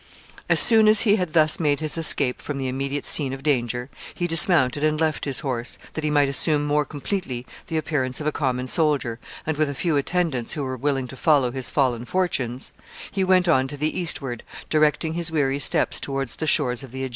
As soon is he had thus made his escape from the immediate scene of danger, he dismounted and left his horse, that he might assume more completely the appearance of a common soldier, and, with a few attendants who were willing to follow his fallen fortunes, he went on to the eastward, directing his weary steps toward the shores of the Aegean Sea.